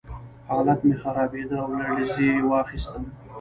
حالت مې خرابېده او لړزې واخیستم